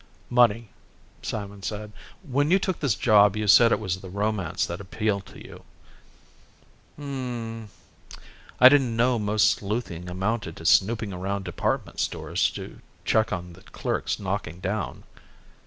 "Money," Simon said. "When you took this job you said it was the romance that appealed to you." "Hm m m. I didn't know most sleuthing amounted to snooping around department stores to check on the clerks knocking down."